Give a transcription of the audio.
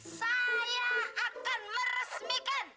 saya akan meresmikan